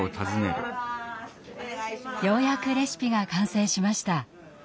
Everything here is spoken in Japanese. ようやくレシピが完成しました。